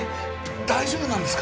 大丈夫なんですか？